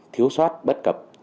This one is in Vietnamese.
thiếu soát bất cập